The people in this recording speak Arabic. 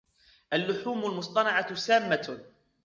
اللحوم المصنعة سامة.